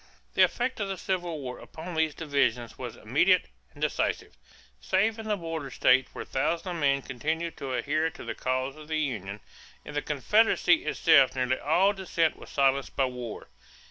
The effect of the Civil War upon these divisions was immediate and decisive, save in the border states where thousands of men continued to adhere to the cause of Union. In the Confederacy itself nearly all dissent was silenced by war.